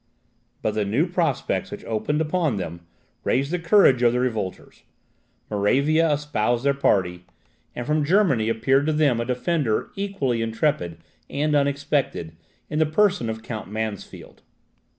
But the new prospects which opened upon them, raised the courage of the revolters. Moravia espoused their party; and from Germany appeared to them a defender equally intrepid and unexpected, in the person of Count Mansfeld.